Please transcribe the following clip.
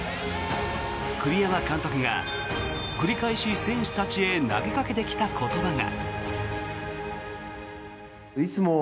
栗山監督が、繰り返し選手たちへ投げかけてきた言葉が。